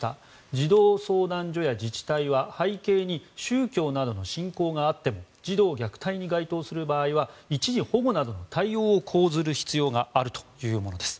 児童相談所や自治体は背景に宗教などの信仰があっても児童虐待に該当する場合は一時保護などの対応を講ずる必要があるというものです。